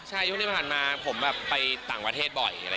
ใช่ช่วงที่ผ่านมาผมแบบไปต่างประเทศบ่อย